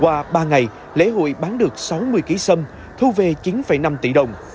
qua ba ngày lễ hội bán được sáu mươi ký sâm thu về chín năm tỷ đồng